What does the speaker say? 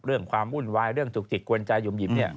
เรื่องความอุ่นวายเรื่องจุกจิกกวนใจยุ่มหยิบเนี่ย